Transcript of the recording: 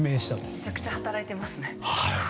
めちゃくちゃ働いていますね。